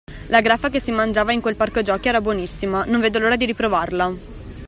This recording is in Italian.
La graffa che si mangiava in quel parco giochi era buonissima, non vedo l'ora di riprovarla.